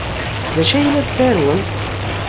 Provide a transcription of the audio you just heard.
D acu ay la ttarun?